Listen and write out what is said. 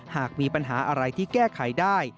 หากมีปัญหาอะไรที่แก้ไขได้